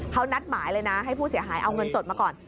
เขานัดหมายเลยนะให้ผู้เสียหายเอาเงินสดมาก่อน